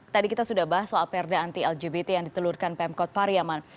tadi kita sudah bahas soal perda anti lgbt yang ditelurkan pemkot pariaman